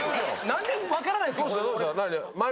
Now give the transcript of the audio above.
何で分からないんですか。